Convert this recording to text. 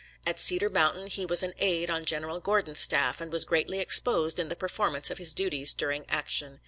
At Cedar Mountain he was an aid on General Gordon's staff, and was greatly exposed in the performance of his duties during the action.